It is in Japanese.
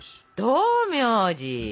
道明寺！